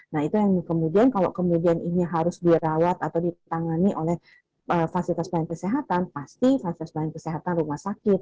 nah itu yang kemudian kalau kemudian ini harus dirawat atau ditangani oleh fasilitas pelayanan kesehatan pasti fasilitas pelayanan kesehatan rumah sakit